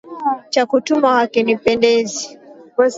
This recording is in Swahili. Cha kutumwa hakinipendezi.